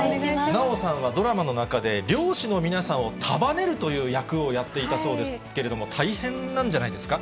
奈緒さんはドラマの中で、漁師の皆さんを束ねるという役をやっていたそうですけれども、大変なんじゃないですか？